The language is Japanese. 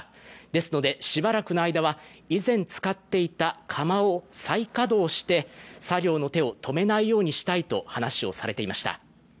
ですのでしばらくの間は以前使っていた窯を再稼働して、作業の手を止めないようにしたいと話をされていました。